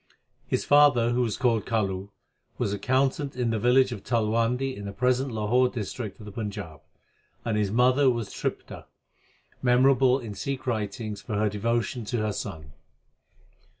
F^ father, who was called Kalu, was accountant in the village of Talwandi in the prespTit JLahor ft. District of the Panjab, and his mother was Tripta. memorable in Sikh writings for her_devation to her son.